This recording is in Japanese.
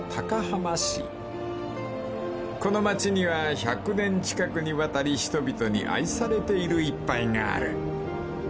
［この町には１００年近くにわたり人々に愛されている一杯がある］